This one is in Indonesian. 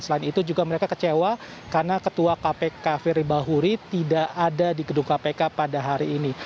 selain itu juga mereka kecewa karena ketua kpk firly bahuri tidak ada di gedung kpk pada hari ini